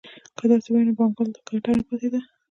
که داسې وای نو بانکوال ته ګټه نه پاتېده